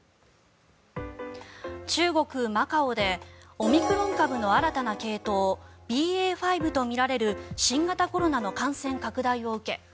中国マカオでオミクロン株の新たな系統ＢＡ．５とみられる新型コロナの感染拡大を受け